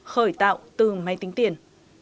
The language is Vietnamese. khởi tạo từ máy tính tiền